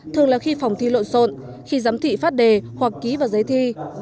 thường là khi phòng thi lộn xộn khi giám thị phát đề hoặc ký vào giấy thi